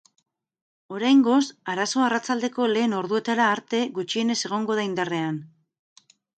Oraingoz, arazoa arratsaldeko lehen orduetara arte gutxienez egongo da indarrean.